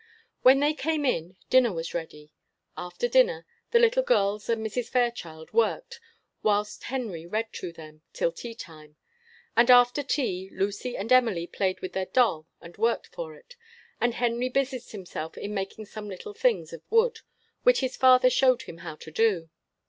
When they came in, dinner was ready. After dinner the little girls and Mrs. Fairchild worked, whilst Henry read to them, till tea time; and after tea Lucy and Emily played with their doll and worked for it, and Henry busied himself in making some little things of wood, which his father showed him how to do.